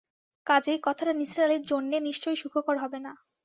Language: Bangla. কাজেই কথাটা নিসার আলির জন্যে নিশ্চয়ই সুখকর হবে না।